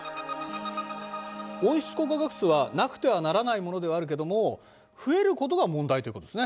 温室効果ガスはなくてはならないものではあるけども増えることが問題ということですね。